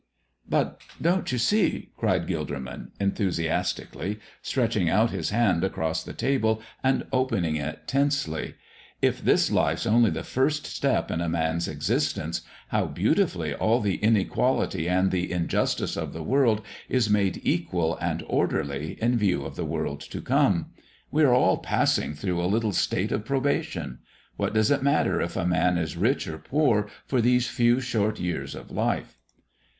"But, don't you see," cried Gilderman, enthusiastically, stretching out his hand across the table and opening it tensely, "if this life's only the first step in a man's existence, how beautifully all the inequality and the injustice of the world is made equal and orderly in view of the world to come. We are all passing through a little state of probation. What does it matter if a man is rich or poor for these few short years of life?"